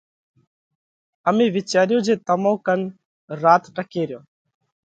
امي وِيچاريو جي تمون ڪنَ رات ٽڪي ريون۔